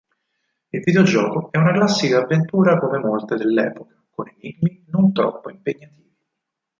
Il videogioco è una classica avventura come molte dell'epoca, con enigmi non troppo impegnativi.